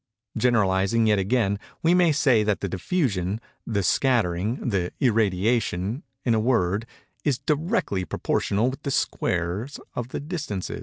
Generalizing yet again, we may say that the diffusion—the scattering—the irradiation, in a word—is directly proportional with the squares of the distances.